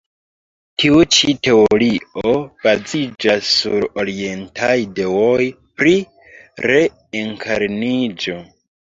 Tiu ĉi teorio baziĝas sur orientaj ideoj pri reenkarniĝo.